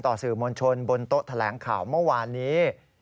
สื่อมวลชนบนโต๊ะแถลงข่าวเมื่อวานนี้